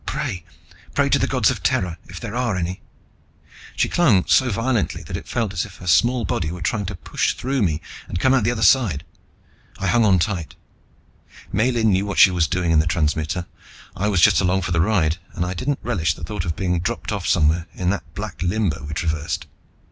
"Pray! Pray to the Gods of Terra, if there are any!" She clung so violently that it felt as if her small body was trying to push through me and come out the other side. I hung on tight. Miellyn knew what she was doing in the transmitter; I was just along for the ride and I didn't relish the thought of being dropped off somewhere in that black limbo we traversed.